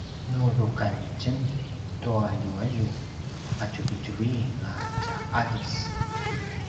nu rukan itjen tua ljualju ’atjuvitjuvin a tja aljis